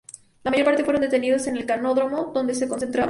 La mayor parte fueron detenidos en el canódromo, donde se concentraban.